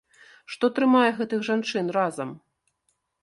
Што трымае гэтых жанчын разам?